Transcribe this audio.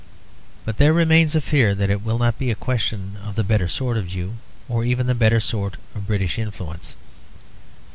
But there remains a fear that it will not be a question of the better sort of Jew, or of the better sort of British influence.